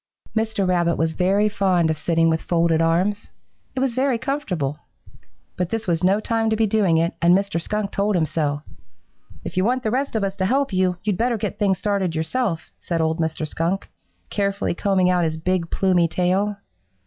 Mr. Rabbit was very fond of sitting with folded arms. It was very comfortable. But this was no time to be doing it, and Mr. Skunk told him so. "'If you want the rest of us to help you, you'd better get things started yourself,' said old Mr. Skunk, carefully combing out his big, plumy tail.